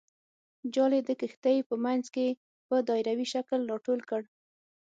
جال یې د کښتۍ په منځ کې په دایروي شکل راټول کړ.